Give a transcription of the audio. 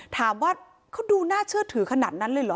ถามว่าเขาดูน่าเชื่อถือขนาดนั้นเลยเหรอ